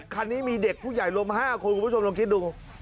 คันนี้มีเด็กผู้ใหญ่รวม๕คนคุณผู้ชมลองคิดดู